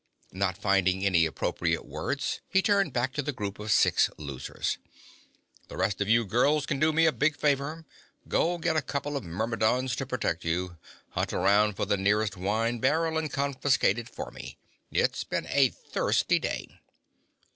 Not finding any appropriate words, he turned back to the group of six losers. "The rest of you girls can do me a big favor. Go get a couple of the Myrmidons to protect you, hunt around for the nearest wine barrel and confiscate it for me. It's been a thirsty day."